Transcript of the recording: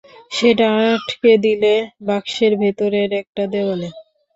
সেটা আটকে দিলেন বাক্সের ভেতরের একটা দেয়ালে।